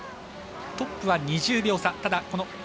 トップは２０秒差。